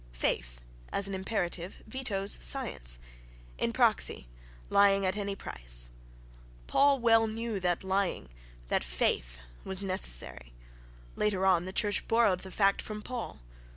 "Faith," as an imperative, vetoes science—in praxi, lying at any price.... Paul well knew that lying—that "faith"—was necessary; later on the church borrowed the fact from Paul.